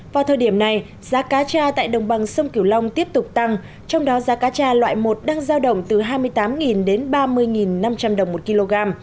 vào thời điểm này giá cá tra tại đồng bằng sông kiều long tiếp tục tăng trong đó giá cá tra loại một đang giao động từ hai mươi tám đến ba mươi năm trăm linh đồng một kg